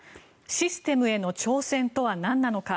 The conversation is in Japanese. システムへの挑戦とはなんなのか。